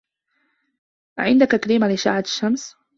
أعندك كريم لأشعة الشمس؟